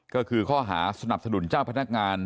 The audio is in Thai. ก็คือข้อหาสนับสนุนเจ้าพนักงาน